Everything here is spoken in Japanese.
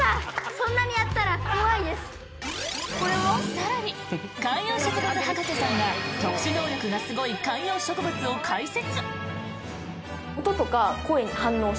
更に観葉植物博士ちゃんが特殊能力がすごい観葉植物を解説。